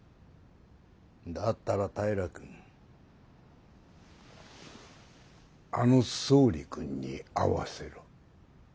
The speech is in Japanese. だったら平君あの総理君に会わせろ。